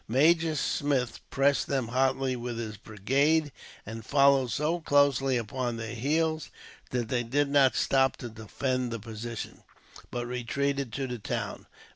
Major Smith pressed them hotly with his brigade, and followed so closely upon their heels that they did not stop to defend the position, but retreated to the town.